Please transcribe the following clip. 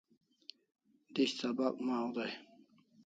Dish sabak maw day